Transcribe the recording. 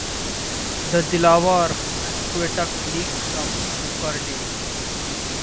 The Delaware Aqueduct leaks up to per day.